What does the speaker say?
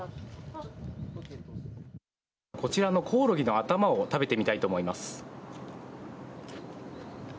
こちらのコオロギの頭を食べてみたいと思います。